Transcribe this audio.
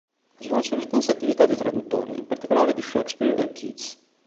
Svolse un'intensa attività di traduttore, in particolare di Shakespeare e Keats.